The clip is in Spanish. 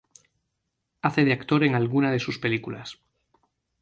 Hace de actor en algunas de sus películas.